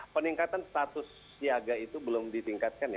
peningkatan status siaga itu belum ditingkatkan ya